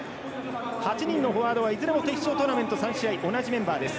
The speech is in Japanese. ８人のフォワードはいずれも決勝トーナメント３試合同じメンバーです。